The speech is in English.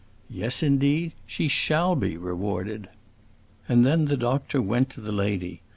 Yes, indeed, she shall be rewarded. And then the doctor went to the lady.